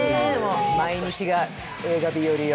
毎日が映画日和よ。